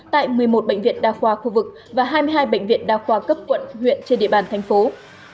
tại một mươi một bệnh viện đa khoa khu vực và hai mươi hai bệnh viện đa khoa cấp quận huyện trên địa bàn thành phố